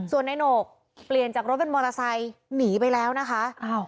ส่วนในโหนกเปลี่ยนจากรถเป็นมอเตอร์ไซค์หนีไปแล้วนะคะ